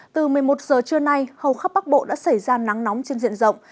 từ một mươi một giờ trưa nay hầu khắp bắc bộ đã xảy ra nắng nóng trên diện rộng